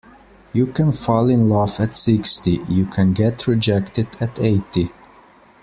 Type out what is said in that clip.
You can fall in love at sixty; you can get rejected at eighty.